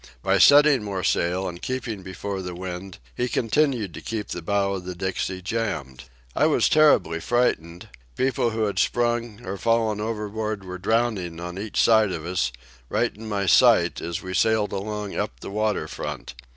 By setting more sail and keeping before the wind, he continued to keep the bow of the Dixie jammed. "I was terribly frightened. People who had sprung or fallen overboard were drowning on each side of us, right in my sight, as we sailed along up the water front.